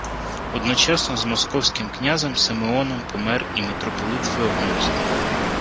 Одночасно з московським князем Симеоном помер і митрополит Феогност